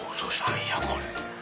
何やこれ。